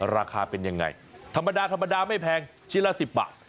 ราคาเป็นยังไงธรรมดาธรรมดาไม่แพงชิ้นละ๑๐บาท